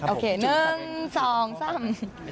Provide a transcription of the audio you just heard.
โอเคหนึ่งสองสาม